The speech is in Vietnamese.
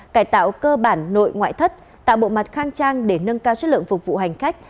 cải tạo cơ bản nội ngoại thất tạo bộ mặt khang trang để nâng cao chất lượng phục vụ hành khách